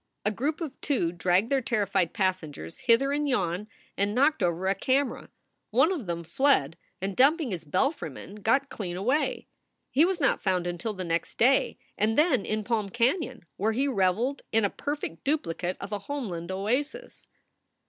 A group of two dragged their terrified passengers hither and yon and knocked over a camera. One of them fled and, dumping his belfryman, got clean away. He was not found until the next day, and then in Palm Canon, where he reveled in a perfect duplicate of a homeland oasis.